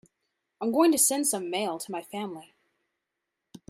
I am going to send some mail to my family.